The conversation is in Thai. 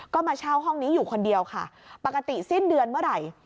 ก็มาเช่าห้องนี้อยู่คนเดียวค่ะปกติสิ้นเดือนเมื่อไหร่